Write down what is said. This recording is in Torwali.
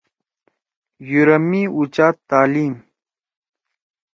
یورپ می اُوچات تعلیِم: